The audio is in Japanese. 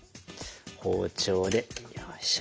包丁でよいしょ。